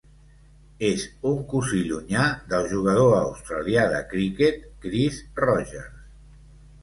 És un cosí llunyà del jugador australià de criquet Chris Rogers.